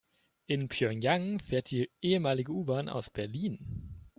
In Pjöngjang fährt die ehemalige U-Bahn aus Berlin.